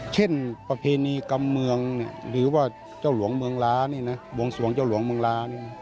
เช่นประเพณีกรรมเมืองเนี่ยหรือว่าเจ้าหลวงเมืองลาเนี่ยนะ